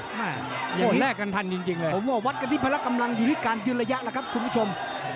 ผมว่าวัดกันที่ภาระกำลังอยู่ที่การยืนระยะแหละครับคุณผู้ชม